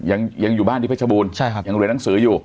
อ่ายังอยู่บ้านที่พระชบูรณ์ยังเรียนหนังสืออยู่